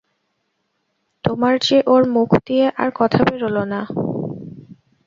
তোমার যে– ওর মুখ দিয়ে আর কথা বেরোল না।